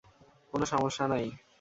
কোনো সমস্যা নাই।